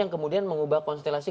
yang kemudian mengubah konstelasi